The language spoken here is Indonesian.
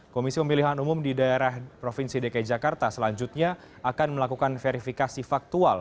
komisi pemilihan umum di daerah provinsi dki jakarta selanjutnya akan melakukan verifikasi faktual